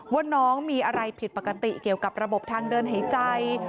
ว่าน้องมีอะไรผิดปกติเกี่ยวกับระบบทางเดินหายใจ